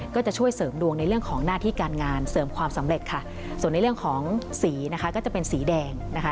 ก็จะช่วยเสริมดวงในเรื่องของหน้าที่การงานเสริมความสำเร็จค่ะส่วนในเรื่องของสีนะคะก็จะเป็นสีแดงนะคะ